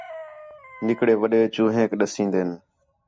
نِکڑے وݙے چوہینک ݙسین٘دِن